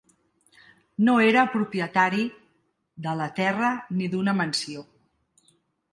No era propietari de la terra ni d'una mansió.